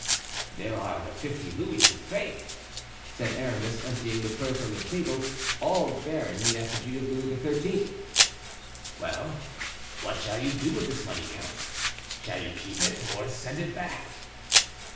"There are the fifty louis, i'faith," said Aramis, emptying the purse on the table, all bearing the effigy of Louis XIII. "Well, what shall you do with this money, count? Shall you keep it or send it back?"